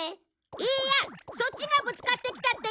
いいやそっちがぶつかってきたっていうじゃないか！